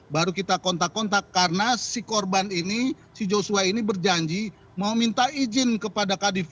baru kita kontak kontak karena si korban ini si joshua ini berjanji mau minta izin kepada kadif